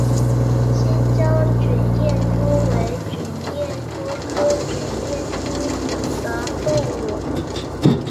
新疆卷叶蛛为卷叶蛛科卷叶蛛属的动物。